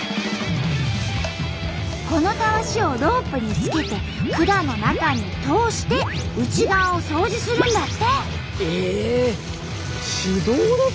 このタワシをロープにつけて管の中に通して内側を掃除するんだって！